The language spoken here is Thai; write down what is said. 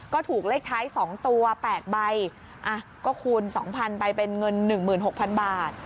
ก็ถูกเลขท้ายสองตัวแปดใบอ่ะก็คูณสองพันไปเป็นเงินหนึ่งหมื่นหกพันบาท